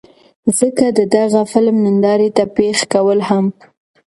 ځکه د دغه فلم نندارې ته پېش کول هم